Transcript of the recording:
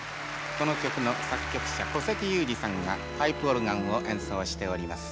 この曲の作曲者古関裕而さんがパイプオルガンを演奏しております。